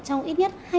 trong ít nhất